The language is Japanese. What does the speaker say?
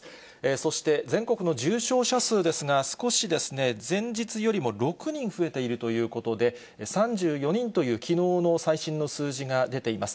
そして全国の重症者数ですが、少しですね、前日よりも６人増えているということで、３４人というきのうの最新の数字が出ています。